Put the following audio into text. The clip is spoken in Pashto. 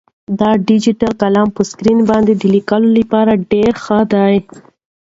دا ډیجیټل قلم په سکرین باندې د لیکلو لپاره ډېر ښه دی.